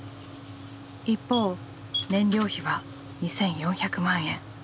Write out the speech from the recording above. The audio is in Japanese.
一方燃料費は２，４００万円。